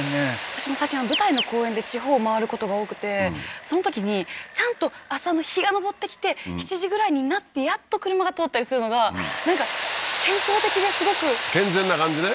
私も最近舞台の公演で地方回ることが多くてそのときにちゃんと朝の日が昇ってきて７時ぐらいになってやっと車が通ったりするのがなんか健康的ですごく健全な感じね？